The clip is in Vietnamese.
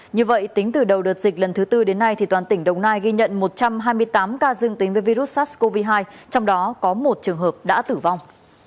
như vậy tính từ đầu đợt dịch lần thứ tư đến nay toàn tỉnh đồng nai ghi nhận một trăm hai mươi tám ca dương tính với virus sars cov hai trong đó có một trường hợp đã tử vong